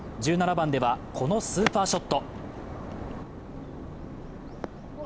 １７番ではこのスーパーショット。